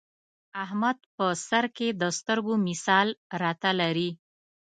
احمد په سرکې د سترګو مثال را ته لري.